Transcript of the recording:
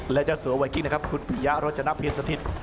และเจ้าสวนไวกิ้งนะครับคุณพิยรจนัพเพียรสธิต